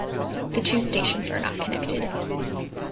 The two stations are not connected.